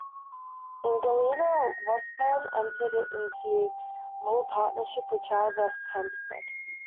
In Galena, Wasburne entered into law partnership with Charles S. Hempstead.